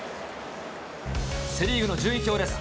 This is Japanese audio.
セ・リーグの順位表です。